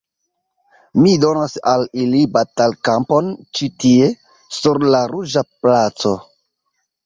Mi donas al ili batalkampon ĉi tie, sur la Ruĝa Placo.